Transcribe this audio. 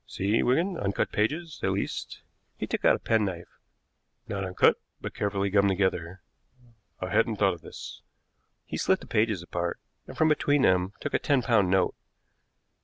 See, Wigan, uncut pages; at least" he took out a penknife "not uncut, but carefully gummed together. I hadn't thought of this." He slit the pages apart, and from between them took a ten pound note.